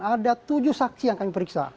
ada tujuh saksi yang kami periksa